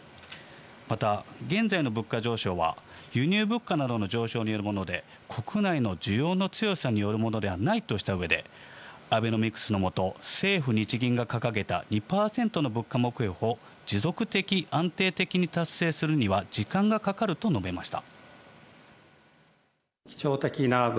また現在の物価上昇は輸入物価などの上昇によるもので、国内の需要の強さによるものではないとした上で、アベノミクスのもと、政府・日銀が掲げた２％の物価目標を持続的・安定的に達成するには時間がかかると述べました。